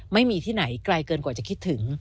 ไม่มีที่ไหนไกลเกินกว่าจะคิดถึง